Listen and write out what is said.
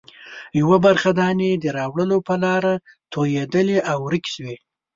یوه برخه دانې د راوړلو په لاره توېدلې او ورکې شوې.